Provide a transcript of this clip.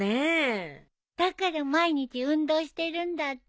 だから毎日運動してるんだって。